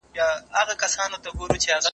ګرجي او چرکسي هلکان به شاهي حرم ته وړل کېدل.